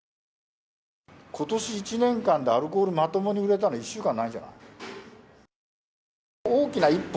ことし１年間でアルコール、まともに売れたの１週間ないんじゃない？